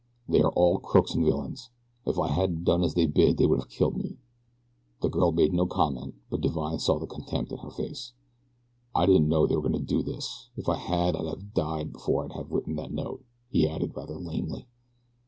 They are all crooks and villains. If I hadn't done as they bid they would have killed me." The girl made no comment, but Divine saw the contempt in her face. "I didn't know that they were going to do this. If I had I'd have died before I'd have written that note," he added rather lamely.